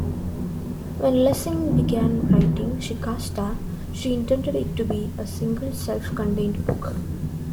When Lessing began writing "Shikasta" she intended it to be a "single self-contained book".